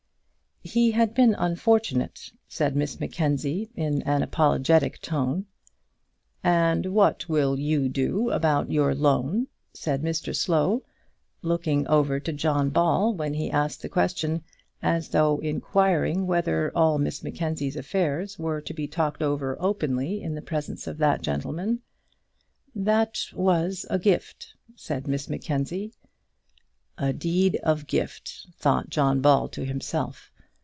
"He had been unfortunate," said Miss Mackenzie, in an apologetic tone. "And what will you do about your loan?" said Mr Slow, looking over to John Ball when he asked the question, as though inquiring whether all Miss Mackenzie's affairs were to be talked over openly in the presence of that gentleman. "That was a gift," said Miss Mackenzie. "A deed of gift," thought John Ball to himself.